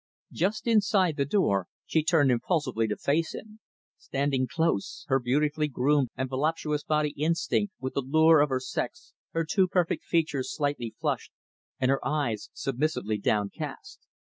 Just inside the door, she turned impulsively to face him standing close, her beautifully groomed and voluptuous body instinct with the lure of her sex, her too perfect features slightly flushed, and her eyes submissively downcast.